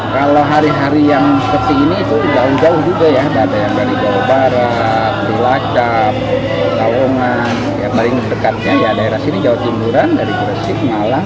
kalau hari hari yang seperti ini itu jauh jauh juga ya ada yang dari jawa barat di lacap lawongan paling dekatnya ya daerah sini jawa timuran dari gresik malang